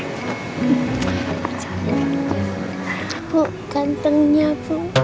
hmm bukantengnya bukantengnya